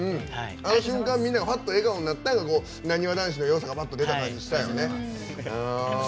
あの瞬間、みんながぱっと笑顔になったのがなにわ男子のよさが出たような感じがしたよね。